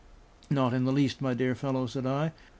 "Not in the least, my dear fellow," said I.